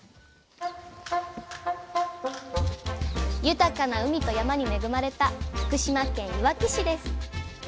豊かな海と山に恵まれた福島県いわき市です。